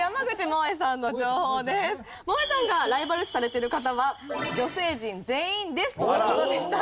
もえさんがライバル視されてる方は「女性陣全員です」との事でした。